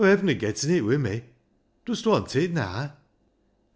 Aw hevna getten it wi' me. Dust want it naa